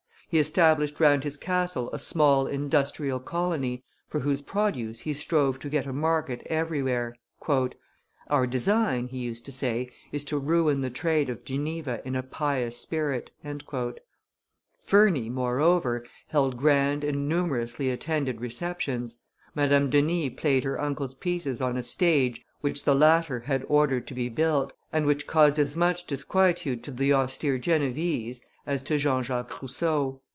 He established round his castle a small industrial colony, for whose produce he strove to get a market everywhere. "Our design," he used to say, "is to ruin the trade of Geneva in a pious spirit." Ferney, moreover, held grand and numerously attended receptions; Madame Denis played her uncle's pieces on a stage which the latter had ordered to be built, and which caused as much disquietude to the austere Genevese as to Jean Jacques Rousseau.